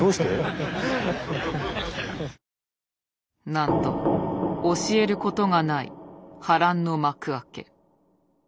なんと教えることがない波乱の幕開け。